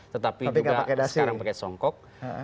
tetapi juga sekarang pakai songkok